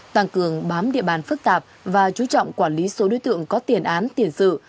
tăng cường bám địa bàn phức tạp và chú trọng quản lý số đối tượng có tiền án tiền sự